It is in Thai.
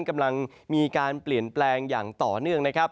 กำลังมีการเปลี่ยนแปลงอย่างต่อเนื่องนะครับ